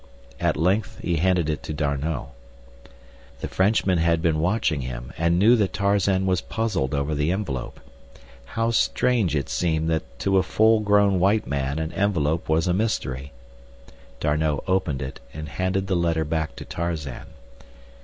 At length he handed it to D'Arnot. The Frenchman had been watching him, and knew that Tarzan was puzzled over the envelope. How strange it seemed that to a full grown white man an envelope was a mystery. D'Arnot opened it and handed the letter back to Tarzan.